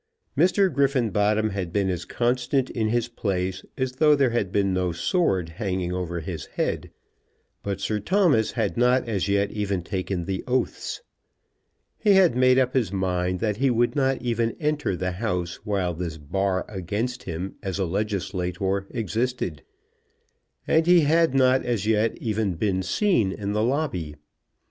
Mr. Griffenbottom had been as constant in his place as though there had been no sword hanging over his head; but Sir Thomas had not as yet even taken the oaths. He had made up his mind that he would not even enter the house while this bar against him as a legislator existed, and he had not as yet even been seen in the lobby.